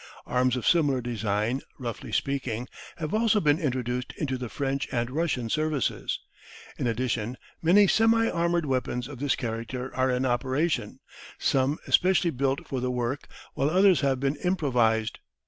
Arms of similar design, roughly speaking, have also been introduced into the French and Russian services. In addition many semi armoured weapons of this character are in operation, some specially built for the work, while others have been improvised.